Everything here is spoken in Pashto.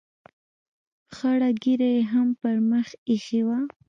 خړه ږیره یې هم پر مخ اېښې وه.